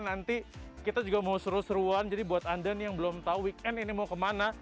nanti kita juga mau seru seruan jadi buat anda nih yang belum tahu weekend ini mau kemana